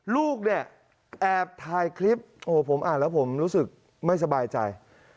ลูกเนี่ยแอบถ่ายคลิปโอ้โหผมอ่านแล้วผมรู้สึกไม่สบายใจ